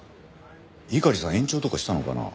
猪狩さん延長とかしたのかなあ。